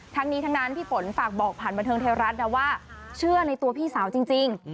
ทั้งนี้ทั้งนั้นพี่ฝนฝากบอกผ่านบันเทิงไทยรัฐนะว่าเชื่อในตัวพี่สาวจริง